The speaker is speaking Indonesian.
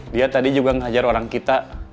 dia tadi juga mengajar orang kita